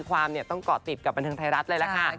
ภายในเร็ววันนะคะ